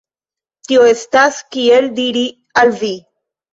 Tio estas, kiel diri al vi?